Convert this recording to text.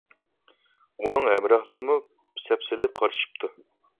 ئۇنىڭ ھەمراھلىرىمۇ سەپسېلىپ قارىشىپتۇ.